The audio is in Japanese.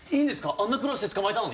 あんな苦労して捕まえたのに？